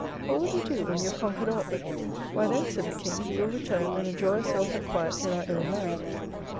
What will you do when you have conquered all ? Why then said the King we will return, and enjoy ourselves at quiet in our own land.